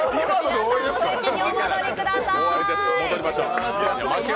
皆さんお席にお戻りくださーい。